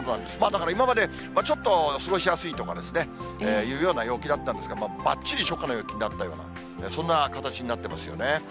だから、今まで、ちょっと過ごしやすいとかですね、いうような陽気だったんですけど、ばっちり初夏の陽気になったような、そんな形になってますよね。